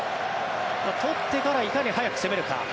取ってからいかに早く攻めるか。